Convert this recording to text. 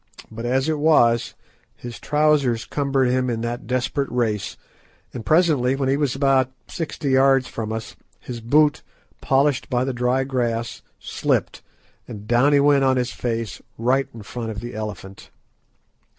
But as it was, his trousers cumbered him in that desperate race, and presently, when he was about sixty yards from us, his boot, polished by the dry grass, slipped, and down he went on his face right in front of the elephant.